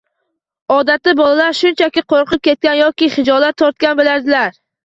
Odatda bolalar shunchaki qo‘rqib ketgan yoki xijolat tortgan bo‘ladilar.